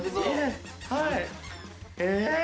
はい。え？